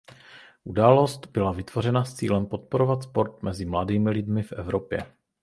Událost byla vytvořena s cílem podporovat sport mezi mladými lidmi v Evropě.